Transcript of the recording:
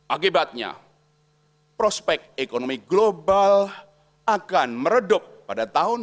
akibatnya prospek ekonomi global akan meredup pada tahun dua ribu dua puluh